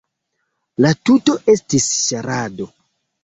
La tuto estis ŝarado.